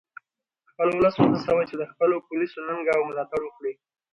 خپل ولس و هڅوئ چې د خپلو پولیسو ننګه او ملاتړ وکړي